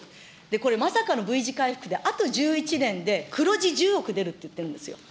これまさかのＶ字回復で、あと１１年で黒字１０億出るって言ってるんですよ。